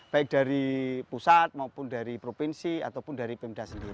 baik dari pusat maupun dari provinsi ataupun dari pemda sendiri